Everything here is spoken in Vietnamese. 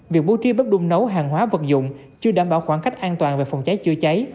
việc bố trí bếp đun nấu hàng hóa vật dụng chưa đảm bảo khoảng cách an toàn về phòng cháy chữa cháy